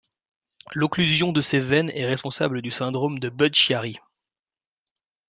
L'occlusion de ces veines est responsable du syndrome de Budd-Chiari.